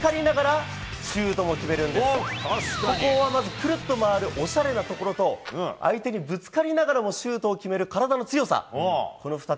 くるっと回っておしゃれに回る相手にぶつかりながらもシュートを決める体の強さ。